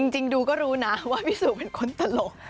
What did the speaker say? จริงดูก็รู้นะว่าพี่สู่เป็นคนตลก